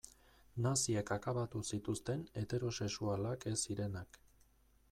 Naziek akabatu zituzten heterosexualak ez zirenak.